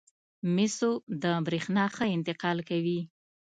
مسو د برېښنا ښه انتقال کوي.